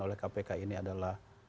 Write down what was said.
oleh kpk ini adalah